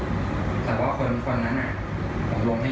อันนี้เสร็จปุ๊บผมก็เลยอันนี้ผมก็เลยเดี๋ยวน้องถอดกางเกงนะน้องออกก็ถอด